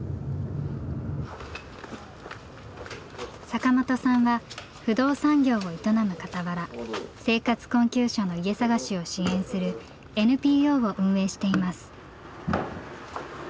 坂本さんは不動産業を営むかたわら生活困窮者の家探しを支援するＮＰＯを運営しています。